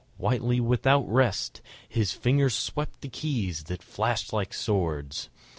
Whitely without rest, His fingers swept the keys that flashed like swords